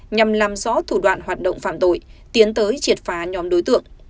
nhằm làm rõ thủ đoạn hoạt động phạm tội tiến tới triệt phá nhóm đối tượng